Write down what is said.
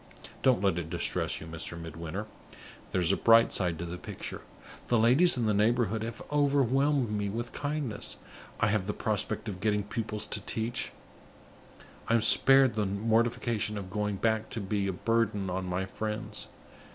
Don't let it distress you, Mr. Midwinter! There's a bright side to the picture. The ladies in the neighborhood have overwhelmed me with kindness; I have the prospect of getting pupils to teach; I am spared the mortification of going back to be a burden on my friends.